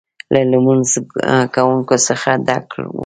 له لمونځ کوونکو څخه ډک و.